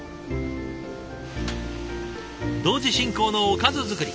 同時進行のおかず作り。